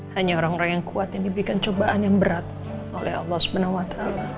hanya orang orang yang kuat yang diberikan cobaan yang berat oleh allah swt